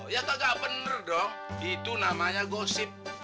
ya kagak bener dong itu namanya gosip